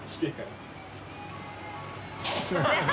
ハハハ